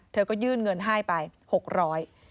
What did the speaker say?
เธอก็ยื่นเงินให้ไปหกร้อย